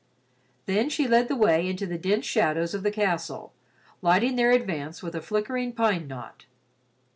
Then she led the way into the dense shadows of the castle, lighting their advance with a flickering pine knot.